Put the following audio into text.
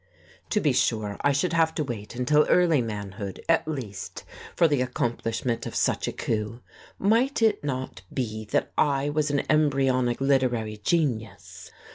To be sure, I should have to wait until early manhood, at least, for the accomplishment of such a coup. Might it not be that I was an embryonic literary genius?